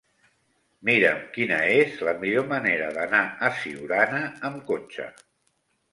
Mira'm quina és la millor manera d'anar a Siurana amb cotxe.